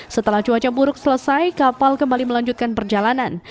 setelah cuaca buruk selesai kapal kembali melanjutkan perjalanan